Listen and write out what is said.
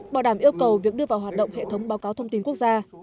bảo đảm yêu cầu việc đưa vào hoạt động hệ thống báo cáo thông tin quốc gia